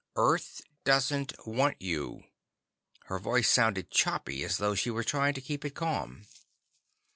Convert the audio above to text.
Earth doesn't want you." Her voice sounded choppy, as though she were trying to keep it calm.